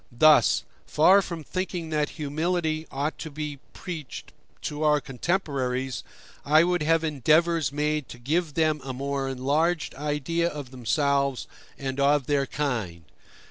Thus, far from thinking that humility ought to be preached to our contemporaries, I would have endeavors made to give them a more enlarged idea of themselves and of their kind.